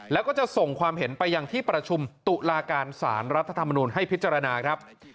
แล้วก็จะส่งความเห็นไปยังที่ประชุมตุลาการสารรัฐธรรมนุนให้พิจารณาครับ